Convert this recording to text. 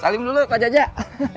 salim dulu pak jajak